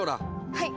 はい。